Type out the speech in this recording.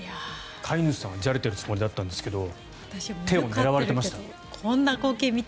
飼い主さんはじゃれているつもりだったんですけど手を狙われていました。